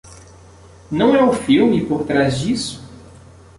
Não é o filme por trás disso?